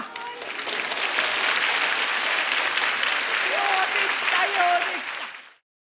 ようできたようできた。